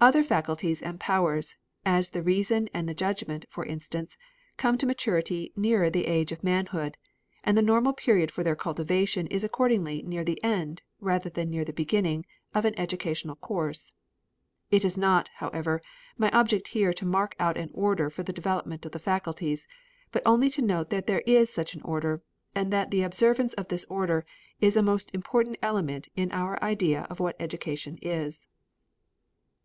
Other faculties and powers, as the reason and the judgment, for instance, come to maturity nearer the age of manhood, and the normal period for their cultivation is accordingly near the end, rather than near the beginning, of an educational course. It is not, however, my object here to mark out an order for the development of the faculties, but only to note that there is such an order, and that the observance of this order is a most important element in our idea of what education is.